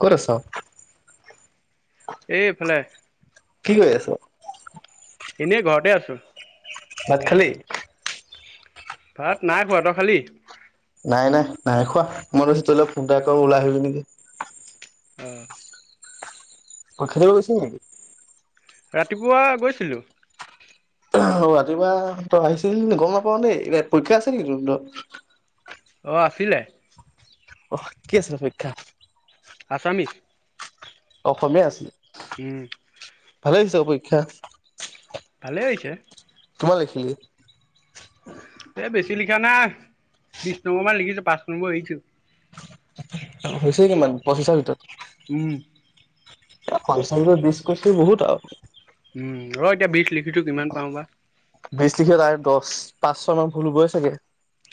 ক'ত আছ? এ এফালে। কি কৰি আছ? এনে ঘৰতে আছো। ভাত খালি? ভাত নাই খোৱা। তই খালি? নাই নাই নাই খোৱা। মই লৈছোঁ তোলে ফোন এটা কৰো, ওলাই আহিবি নেকি। অ'। পৰীক্ষা দিব গৈছিলি নেকি? ৰাতিপুৱা গৈছিলো। অ', ৰাতিপুৱা তই আহিছিলি নি? গম নাপাওঁ দেই। পৰীক্ষা আছে নেকি তহতঁৰ? অ', আছিলে। অ', কি আছিল পৰীক্ষা? আছামিছ। অসমীয়া আছিলে। উম। [unintelligible] পৰীক্ষা। ভালে হৈছে। কিমান লিখিলি? এ বেছি লিখা নাই। বিছ নম্বৰ মান লিখিছো, পাঁচ নম্বৰ এৰিছো। হৈছে কিমান, পঁচিছৰ ভিতৰত? উম। এ [unintelligible] বিছ কৰিছ বহুত আৰু। উম, ৰ' এতিয়া বিছ লিখিছো কিমান পাওঁ বা। বিছ লিখিলে তাৰে দচ, পাঁচ ছয়মান ভুল হ'বই চাগে।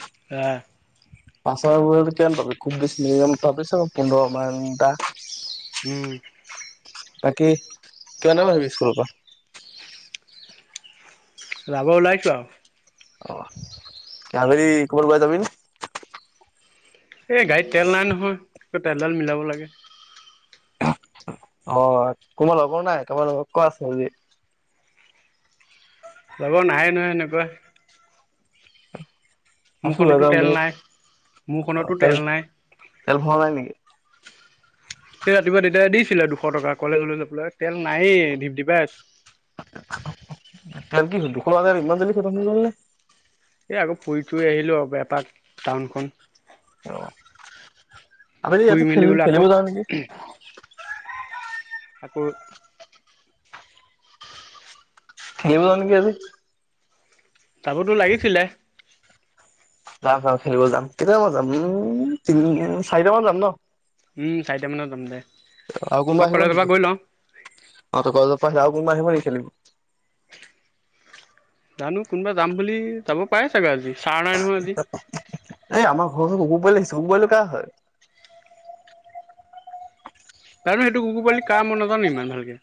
[unintelligible] পাছৰ [unintelligible] কিমান পাবি? খুব বেছি [unintelligible] পোন্ধৰ মান টা। উম। বাকী কিমান টাইমত আহিবি স্কুলৰ পৰা? যাব ওলাইছো আৰু। অ', আবেলি কৰবাত ওলাই যাবিনে? এ, গাৰীত তেল নাই নহয়। তেলদাল মিলাব লাগে। অ, কোনোবা লগৰ নাই, কাৰোবাৰ লগক ক' আছে যদি। লগৰ নাইয়ে নহয় এনেকুৱা। আছো মোৰখনতো [unintelligible] যাম তেল বুলি। নাই অ', মোৰখনতো তেল নাই। তেল-তেল ভৰোৱা নাই নেকি? এই ৰাতিপুৱা দেউতায়ে দিছিলে দুশ টকা কলেজলৈ যাবলৈ। তেল নায়েই ঢিপঢিপাই আছোঁ। তেল কি হল, দুশ টকা তেল ইমান জলদি খটম হৈ গ'ল নে? এই আকৌ ফুৰি-চুৰি আহিলোঁ আৰু এপাক টাউনখন। অ', আবেলি ফুৰি ইয়াতে মেলি খেল, বোলো আকৌ খেলিব যাওঁ নেকি। আকৌ খেলিব যাওঁ নেকি আজি। যাবতো লাগিছিলে। যাম যাম, খেলিব যাম। কেইটামান যাম উম, তিন-চাৰিটামান যাম ন? উম, চাৰিটা মানত যাম দে। আৰু কোনোবা মই আহিব কলেজৰ পৰা নেকি? গৈ লওঁ অ', তই কলেজৰ পৰা আহি ল'। কোনোবা আহিব নেকি খেলিব? জানো কোনোবা যাম বুলি যাব পাৰে চাগৈ আজি। চাৰ নাই নহয় আজি। এই আমাৰ কুকুৰ পোৱালি দেখিছোঁ, কুকুৰ পোৱালিটো কৰ হয়? [unintelligible] কুকুৰ পোৱালিটো কাৰ মই নাজানো ইমান ভালকে।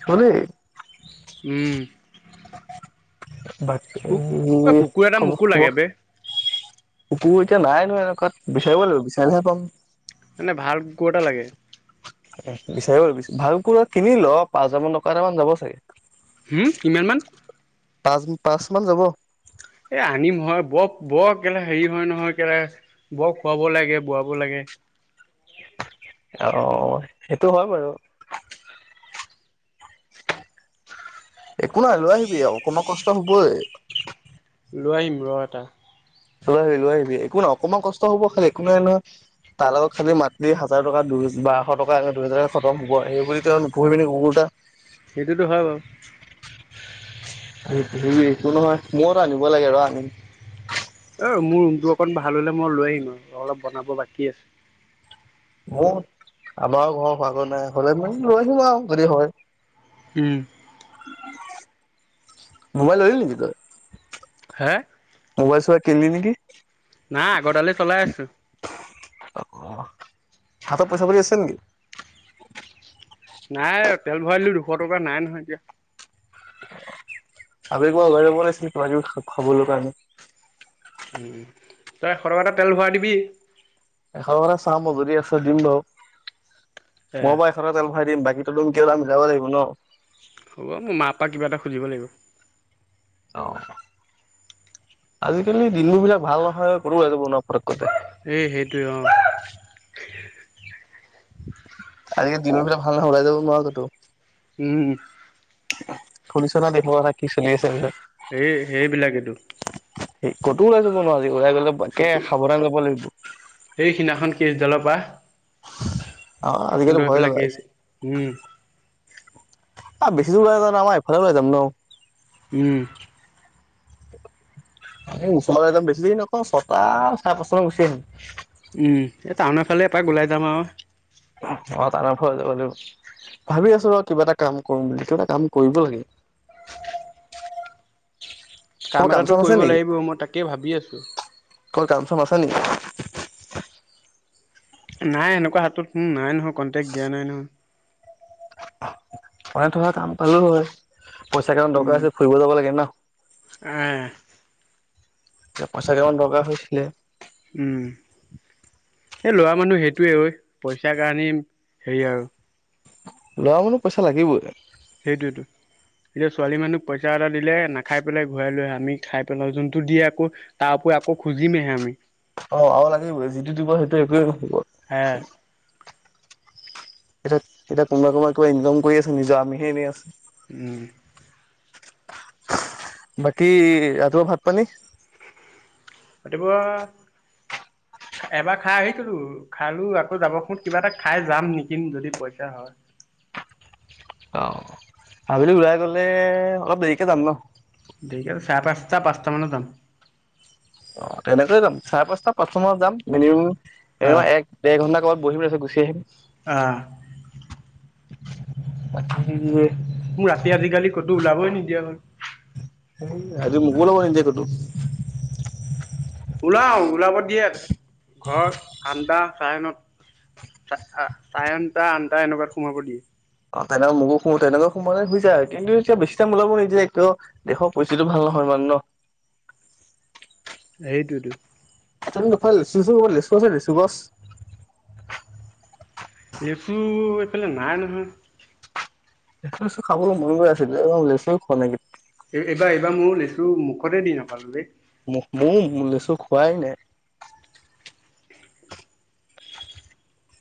আকৌ দেই। উম। [inaudible] বাকী, কুক অ কুকুৰ এটা মোকো লাগে খবৰ-খবৰ বে [unintelligible] এতিয়া নাই নো এনেকুৱাত বিচাৰিব লাগিব বিচাৰিলেহে পাম। মানে ভাল কুকুৰ এটা লাগে। বিচাৰি ব লাগিব ভাল কুকুৰ কিনি ল পাঁচ হাজাৰ মান টকা এটা মান যাব চাগে। হম কিমান মান। পাঁচ পাঁচ মান যাব। এ আনিম হয় বৰ বৰ কেলে হেৰি হয় নহয় কেলে বৰ খুৱাব লাগে বোৱাব লাগে। অহ সেইটো হয় বাৰু। একো নাই লৈ আহিবি আৰু অকণমান কষ্ট। চব হ'বই লৈ আহিম ৰ এটা। লৈ আহিবি লৈ আহিবি একো নহ অকণমান কষ্ট হ'ব খালি একো নাই নহয় তাৰ লগত খালি মাততি হাজাৰ টকা দু বাৰশ টকা দুইহাজাৰ। একমুব সেই বুলি তেই নুখুৱাবি নহয় কুকুৰটা। সেইটোতো হয় বাৰু। একো নহয় মইও এটা আনিব লাগে ৰ আনিম। অহ মোৰ ৰুমটো অকণ ভাল হ'লে মই লৈ আহিম অলপ বনাব বাকী আছে। মোৰ আমাৰো ঘৰ মানুহ নাই হলে মই লৈ আহিম আৰু যদি হয়। উম। মোবাইল ললি নেকি তই। হে। মোবাইল চোবাইল কিনিলি নেকি। নাই আগৰদালে চলাই আছো। অহ হাতৰ পইচা পাতি আছে নেকি। নাই তেল ভৰাইিলো দুশ টকা নাই নহয় এতিয়া। আবি কিবা বনাইছিল কিবাকিবি খাবলৈ কাৰণে। উম তই সৰক এটা তেল ভৰাই দিবি। এশ টকা চাম বাৰু যদি আছে দিম বাৰু। এ মই বাৰু এশ তেল। ভৰাই দিম বাকীতো তুমি মিলাব লাগিব ন। তাক কিবা এটা খুজিব লাগিব। অহ আজিকালি দিনবোৰ বিলাক ভাল নহয় সৰু হৈ যায় নাহ পতককে। এই সেইটোৱে অহ। আজিকালি দিনৰ বিলাক। ভাল হ'ব ওলাই যাব পাৰা কিন্তু। উম। খুনিছ নে দেশৰ কথা কি চলি আছে এইবিলাক। সেই সেইবিলাকেইটো। সেই, কতো ওলাই যাব নোৱাৰি। ওলাই গ'লে, তাকে কতো সাৱধান ল'ব লাগিব। সেই সিদিনাখন কেচডালৰ পৰা [inaudible] অহ', আজিকালি তহঁতৰ ভয়েই সেইফালে লগা হৈ কেচ হৈছে। উম অহ, বেছি দূৰ ওলাই নাযাওঁ নহয় আমাৰ ইফালে যাম ন'। উম। এই তাতে যাম, বেছি দেৰি নকৰোঁ ছটা চাৰে পাঁচটা মানত গুচি আহিম। উম, এ টাউনৰ ফালে এপাক ওলাই যাম আৰু। অ' টাউনৰ ফালে যাব লাগিব। ভাবি আছো ৰ' কিবা এটা কাম কৰিম বুলি, কিবা এটা কাম কৰিব লাগে। কাম তোমাৰ এটাটো চাম আছে কৰিব নেকি? লাগিব, মই তাকেই ভাবি আছোঁ। কাম চাম আছে নেকি? নাই এনেকুৱা হাতত নাই নহয়, কন্টেক্ট দিয়া নাই নহয়। মনে থকা কাম পালো হয়। পইচা কেইটামান দৰকাৰ উম হৈছে, ফুৰিব যাব লাগে ন'। আহ এ' পইচা কেইটামান দৰকাৰ হৈছিলে। উম এই ল'ৰা মানুহ সেইটোৱে ঐ, পইচাৰ কাৰণে হেৰি হয় আৰু। লৰা মানো পইচা লাগিবই। সেইটোযৱেতো, এতিয়া ছোৱালী মানুক পইচা এটা দিলে নাখাই পেলাই ঘূৰাই লৈ আহে, আমি খাই পেলাও, যোনটো দিয়ে আকৌ তাৰ উপৰি আকৌ খুজিমহে আমি। অ' আৰু লাগিবই যিটো দিব সেইটো একোৱেই হে নহব। এতিয়া-এতিয়া কোনোবা কোনোবা কিবা ইনকাম কৰি আছে নিজৰ, আমিহে এনেই আছো। উম। বাকী, ৰাতিপুৱা ভাত-পানী? ৰাতিপুৱা এবাৰ খাই আহিছিলো, খালো আকৌ যাবৰ সময়ত কিবা এটা খাই যাম নেকি যদি পইচা হয়। অ' আবেলি ওলাই গলে অলপ দেৰিকে যাম ন'? দেৰিকে চাৰে-পাঁচটা পাঁচটা মানত যাম। অ' তেনেকৈয়ে যাম, চাৰে-পাঁচটা পাঁচটা মানত যাম মিনিমাম। এনেও আহ এক-ডেৰ ঘণ্টা ক'বাত বহিম, তাৰ পিছত গুচি আহিম। আহ'। বাকী, মোৰ ৰাতি আজিকালি ক'তো ওলাবই নিদিয়া হ'ল। আজি মোকো ওলাব নিদিয়ে ক'তো। ওলাও ওলাব দিয়ে, ঘৰ আন্দা চাৰে নতা চাই আনটা আনটা এনেকুৱাত সোমাব দিয়ে। অ' তেনেকা মোকো সোমো তেনেকা সোমালে হৈ যায় আৰু কিন্তু এতিয়া বেছি টাইম ওলাব নিদিয়ে কিয় দেশৰ পৰিস্থিতিটো ভাল নহয় মানে ন। সেইটোৱেইটো। [unintelligible] লেচু আছে লেচু গছ। লেচু, এইফালে নাই নহয়। লেচু-চেচু খাবলৈ মন গৈ আছে এতিয়া। [unintelligible] লেচুৱে খোৱা নাই। এ এইবাৰ এইবাৰ মই লেচু মুখতে দি নাপালো দেই। মোৰ ম মোৰ লৈছ খোৱাই নাই।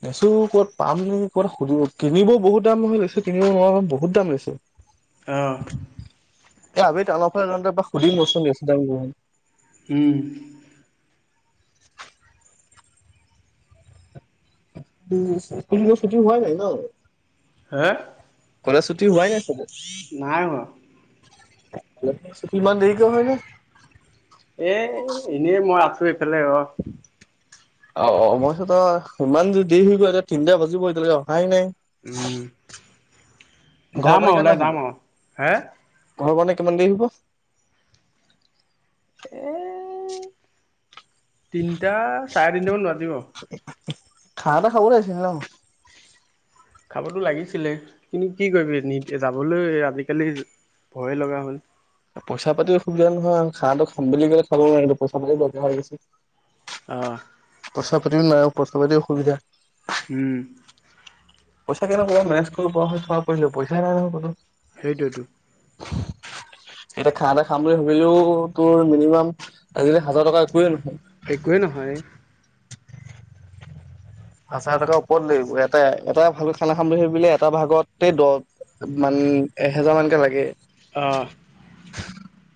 লেচু ক'ত পাম নি ক'বাত সুদিব কিনিবও বহুত দাম নহয় কিনিব নোৱাৰো বহুত দাম লৈছে। অঁ। এ আমি টাউনৰ ফালে [unintelligible] সুধি [unintelligible] উম। উম স্কুল চুটি হোৱাই নাই ন? হা? কলেজ ছুটি হোৱাই নাই চাগে? হোৱা। ইমান দেৰিকে হয়নে? এ এনেই মই আছো এইফালে ৰ অ', অ', মইছত ইমান দেৰি হৈ গ'ল এতিয়া তিনিটা বাজিব এতিয়ালৈকে অহাই নাই। উম, ঘৰৰ যাম আৰু ওলাই যাম আৰু হা? ঘৰৱানে কিমান দেৰি হ'ব? এ তিনিটা, চাৰে তিনটাামান বাজিব। খানা এটা খাব লাগিছিল ন। খাবতো লাগিছিলে। কিন্তু কি কৰিবি নি যাবলৈ আজিকালি ভয়ে লগা হ'ল। পইচা পাতিও অসুবিধা নহয় আৰু খাঁহটো খাম বুলি ক'লে খাব নোৱি পইচা পাতিও দৰকাৰ হৈ অ। গৈছে। পইচা পাতিও নাই। প্ইচা পাতি অসুবিধা। উম। পইচা কেনেকুৱা মেনেজ কৰিব পৰা হলে পইচাই নাই নহয় হাতত। সেইটোৱেতো। এতিয়া খাহ এটা খাম বুলি ভাবিলেও তোৰ মিনিমাম আজিলৈ হাজাৰ টকা একোৱে নহয়। একোৱেই নহয়। হাজাৰ টকাৰ ওপৰত লাগিব, এটাই এটা ভাল খানা খাম বুলি ভাবিলে এটা ভাগতে দহ মান এহেজাৰ মানকে লাগে। অ,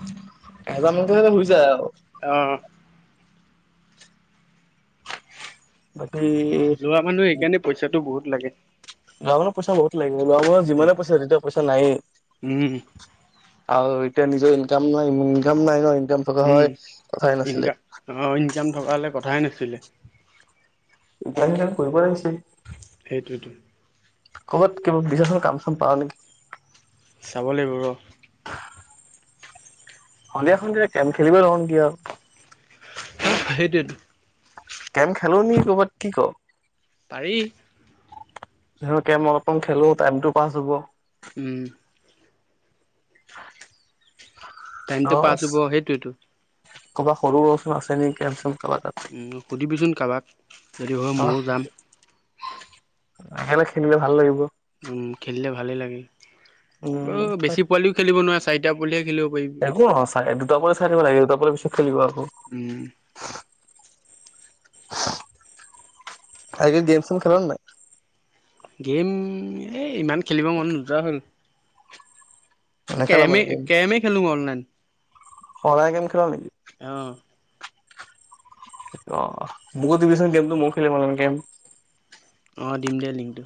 এহেজাৰ মানতে [unintelligible] যায় আৰু। অহ। [inaudible] লোৱা মানুহ সেইকাৰণে পইচাটো বহুত। লাগে। গাঁৱৰ মানুহ পইচা বহুত লাগ লোৱা মানুহক যিমানে পইছা নিদিয়ক পইচা নাইয়ে উম। আৰু এতিয়া নিজৰ ইনকাম নাই ইনকাম নাই ন। একজাম থকা হয় কথাই নাছিলে। একজাম থকা হলে কথাই নাছিলে। উপায় নাই কৰিব আহিছে ই সেইটোৱেতো। ক'বাত কিবা বিছা চোন কাম চাম পাওঁ নেকি চাব লাগিব ৰ সন্ধিয়া সন্ধিয়া কেম খেলিবই [unintelligible] সেইটোৱে টো গেম খেলোঁ নেকি ক'বাত কি কও পাৰি যেনো গেম অলপমান খেলো টাইমটো পাছ হব উম টাইমটো পাছ হ'ব সেইটোৱে টো ক'বা সৰু [unintelligible] আছে নেকি [unintelligible] উম, সুধিবিচোন কাৰোবাক, যদি হয় অহ ময়ো যাম। একেলগে খেলিলে ভাল লাগিব। উম, খেলিলে ভালেই লাগে। উম আৰু বেছি পোৱালিও খেলিব নোৱাৰেছ [unintelligible] একো নহয়, চাই-দুটা পোৱালি চাই থাকিব লাগে, দুটা পোৱালি গুচ খেলিব আৰু উম। [inaudible] ভাইটিয়ে গেম-চেম খেলে নে নাই? গেম, এই ইমান খেলিব মন নোযোৱা হ'ল। নাই নেখেল মানে গেম কেৰেমে-কেৰেমে খেলো মই অনলাইন। [inaudible] অনলাইন গেম খেলা নেকি? অ', অ', মোকো দিবিচোন গেমটো ময়ো খেলিম অলপ গেম। অ', দিম দে লিংকটো।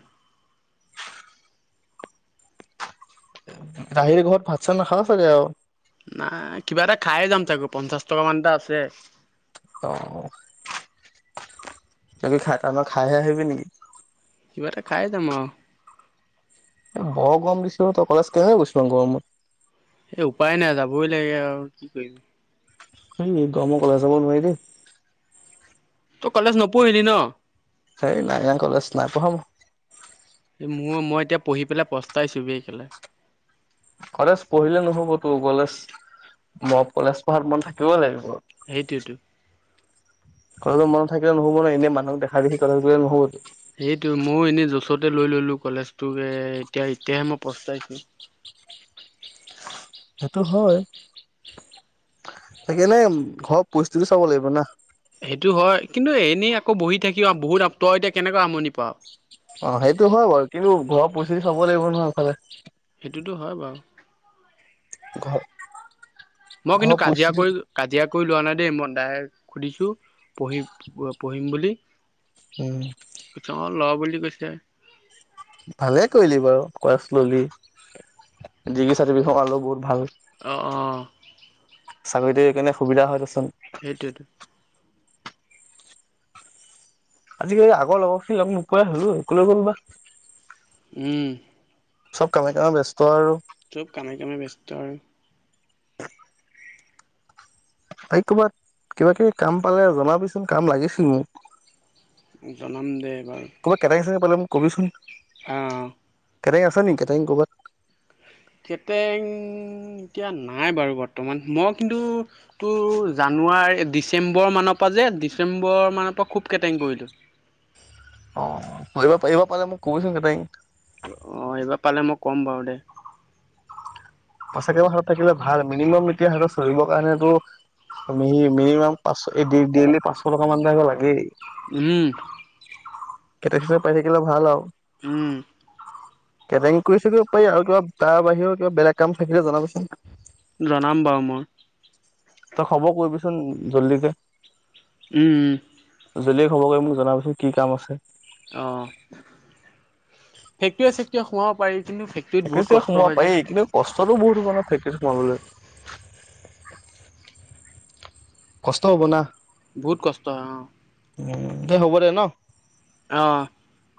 ৰাহিৰ ঘৰত ভাত চাত নাখালা চাগে আৰু। নাই কিবা এটা খায়ে যাম চাগে পঞ্চাশ টকা মান এটা আছে। অ'। [unintelligible] খায় এইবাৰ খায়হে আহিবি নেকি? কিবা এটা খায় যাম আও। বৰ গৰম দিছে অ', তই কলেজ কেনে গৈছ' গৰমত? এই উপায় নাই যাবই লাগে আৰু কি কৰিবি। এই গৰমত কলেজ যাব নোৱাৰি দেই। তই কলেজ নপঢ়িলি ন'? সেই নাই আ কলেজ নাই পঢ়া মই। মোৰ মই এতিয়া পঢ়ি পেলাই পস্তাইছো! ! ! ! ! ! ! ! ! ! কলেজ পঢ়িলে নহ'ব ও কলেজ মই কলেজ পঢ়াত মন থাকিব লাগিব। সেইটোৱেটো। কথাটো মন থাকিলে নহ'ব ন এনে মানুহক দেখা দেখি কলেজত গ'লে নহ'বটো। সেইটো ময়ো এনেই জচতে লৈ ল'লো কলেজটোক এতিয়া এতিয়াহে মই পস্তাইছো। সেইটো হয় তাকেনে ঘৰ পৰিস্থিতি চাব লাগিব না। সেইটো হয়। কিন্তু এনেই আকৌ বহি থাকি বহুত, তই এতিয়া কেনেকৈ আমনি পাৱ। অ', সেইটো হয় বাৰু, কিন্তু ঘৰৰ পৰিস্থিতি চাব লাগিব নহয় এইফালে। সেইটোটো হয় বাৰু। ঘ মই কিন্তু কাজিয়া কৰি, কাজিয়া কৈ লোৱা নাই দেই। মই দাইৰেক্ত সুধিছো পঢ়ি-পঢ়িম বুলি উম। কৈছে অ ল বুলি কৈছে। ভালে কৰিলি বাৰু কলেজ ললি, ডিগ্ৰী চাৰ্টিফিকেট অৱালো বহুত ভাল। অ অ। চাকৰিটো একেনে সুবিধা হয় দে চোন। সেইটোৱেটো। আজিকালি আগৰ লগখিনি লগ নোপোৱাই হ'ল ঐ ক'লে গ'ল বা। উম। চব কামে কামে ব্যস্ত আৰু। চব কামে কামে ব্যস্ত আৰু। ভাই ক'বাত কিবা কিবি কাম পালে জনাবিচোন কাম লাগিছিল মোক। জনাম দে কবাত কেনেকে চেনেকে পেলাম কবি চোন অহ কেটাইং আছে নেকি কেটাইং ক'ৰবাত কেটেং এতিয়া নাই বাৰু বৰ্তমান মই কিন্তু তোৰ জানুৱাৰী ডিচেম্বৰ মানৰ পৰা যে ডিচেম্বৰ মানৰ পৰা খুব কেটেং কৰিলো অ ধৰিব পাৰিব পালে মোক কবচোন কেটেঙ [unintelligible] অহ এইবাৰ পালে মই কম বাৰু দে পইচা কেইটা মান হাত থাকিলে ভাল মিনিমাম এতিয়া সিহত চৰিৰ কাৰণেতো মিনিমাম পাঁচশ এই ডে ডেলি পাঁচশ টকা মান এটা লাগেই উম কেটেং ছেটেন পাই থাকিলে ভাল আও উম কেটৰিং কৰি থাকিব পাৰি আৰু কিবা তাৰ বাহিৰেৰ কিবা বেলেগ কাম থাকিলে জনাবচোন জনাম বাৰু মই তই খব কৰিবিচোন জল্দিকে উম উম জল্দি খব কৰি মোক জনাবচোন কি কাম আছে অহ সেইটোৱে [unintelligible] এতিয়া সোমাব পাৰিছ [unintelligible] সোমাব পায়েই কিন্তু কষ্টতো বহুত [unintelligible] সোমাবলৈ কষ্ট হ'ব না বহুত কষ্ট হয়, অ'। দে, হ'ব দে ন? অ'।